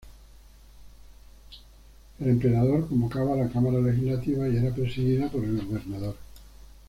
El emperador convocaba la cámara legislativa y era presidida por el gobernador.